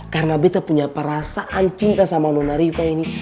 karena betta punya perasaan cinta dengan nona riva ini